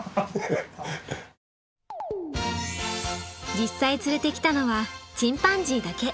実際連れてきたのはチンパンジーだけ。